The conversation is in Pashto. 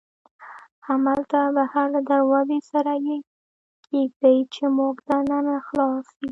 همالته بهر له دروازې سره یې کېږدئ، چې موږ دننه خلاص یو.